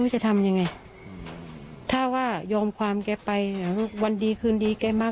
หัวว่าเอ๊ะมันจะมัน